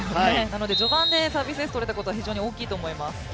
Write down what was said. なので序盤でサービスエースを取れたことは非常に大きいと思います。